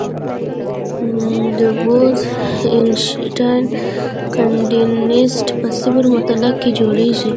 د بوز-اینشټاین کنډنسیټ په صفر مطلق کې جوړېږي.